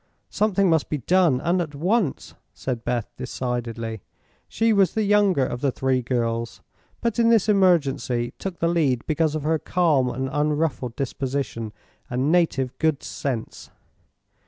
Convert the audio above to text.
"Something must be done, and at once," said Beth, decidedly. She was the younger of the three girls, but in this emergency took the lead because of her calm and unruffled disposition and native good sense.